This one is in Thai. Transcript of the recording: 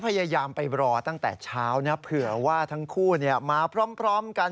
พยายามไปรอตั้งแต่เช้านะเผื่อว่าทั้งคู่มาพร้อมกัน